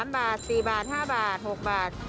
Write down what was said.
๓บาท๔บาท๕บาท๖บาท